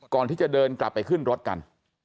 ก่อนที่จะเดินกลับไปขึ้นรถกัน